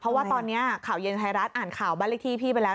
เพราะว่าตอนนี้ข่าวเย็นไทยรัฐอ่านข่าวบ้านเลขที่พี่ไปแล้ว